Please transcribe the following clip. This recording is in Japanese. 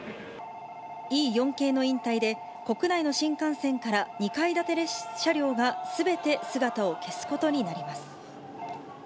Ｅ４系の引退で、国内の新幹線から２階建て車両がすべて姿を消すことになります。